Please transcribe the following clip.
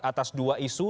atas dua isu